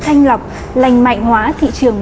thanh lọc lành mạnh hóa thị trường